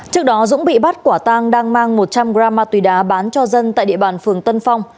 trước đó dũng bị bắt quả tang đang mang một trăm linh g ma túy đá bán cho dân tại địa bàn phường tân phong